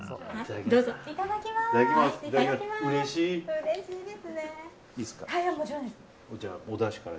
いただきます。